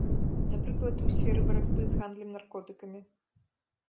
Напрыклад, у сферы барацьбы з гандлем наркотыкамі.